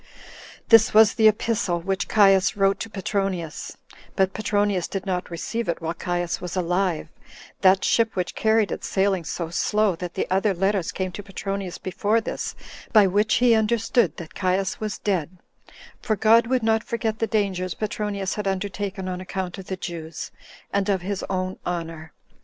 9. This was the epistle which Caius wrote to Petronius; but Petronius did not receive it while Caius was alive, that ship which carried it sailing so slow, that other letters came to Petronius before this, by which he understood that Caius was dead; for God would not forget the dangers Petronius had undertaken on account of the Jews, and of his own honor.